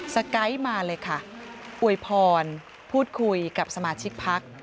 สไกด์มาเลยค่ะอวยพรพูดคุยกับสมาชิกพัก